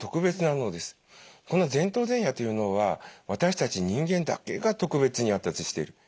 この前頭前野という脳は私たち人間だけが特別に発達している。